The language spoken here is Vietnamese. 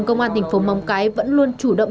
công an thành phố móng cái vẫn luôn chủ động